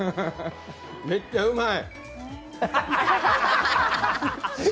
めっちゃうまい。